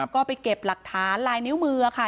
ก็ไปเก็บหลักฐานลายนิ้วมือค่ะ